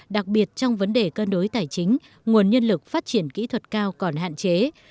đặc biệt trong vấn đề cân đối tài chính nguồn nhân lực phát triển kỹ thuật cao còn hạn chế